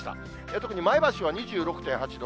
特に前橋は２６．８度。